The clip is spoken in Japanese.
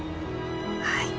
はい。